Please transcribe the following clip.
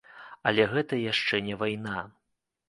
Але гэта яшчэ не вайна.